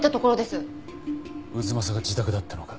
太秦が自宅だったのか。